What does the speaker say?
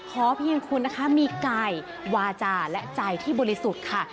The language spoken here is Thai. ขอเพียงคุณนะคะมีกายวาจาและใจที่บริสุทธิ์ค่ะ